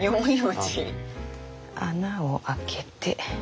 穴を開けて。